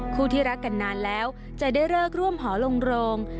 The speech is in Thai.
คู่ที่รักกันนานแล้วจะได้เลิกร่วมหอลงโรง